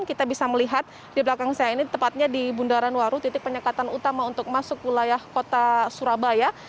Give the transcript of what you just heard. kita bisa melihat di belakang saya ini tepatnya di bundaran waru titik penyekatan utama untuk masuk wilayah kota surabaya